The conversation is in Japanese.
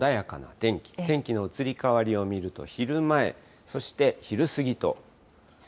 天気の移り変わりを見ると、昼前、そして昼過ぎと。